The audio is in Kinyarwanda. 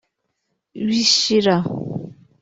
Bishira